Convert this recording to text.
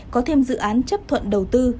có thêm dự án chấp thuận đầu tư